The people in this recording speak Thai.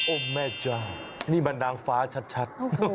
แม่จ้านี่มันนางฟ้าชัด